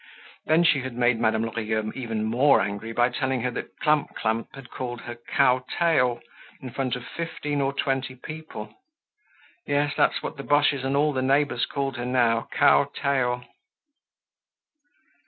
Then, she had made Madame Lorilleux even more angry by telling her that Clump clump had called her "Cow Tail" in front of fifteen or twenty people. Yes, that's what the Boches and all the neighbors called her now, "Cow Tail."